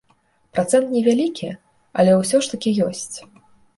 Працэнт невялікі, але ўсё ж такі ёсць.